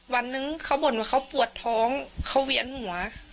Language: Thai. วันนึงเขาบ่นว่าเขาปวดท้องเขาเวียนหัว